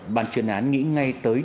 bàn chuyên án nghĩ ngay tới